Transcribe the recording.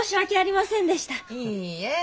いいえ。